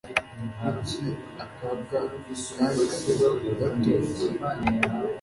Kuki akabwa kahise gatoroka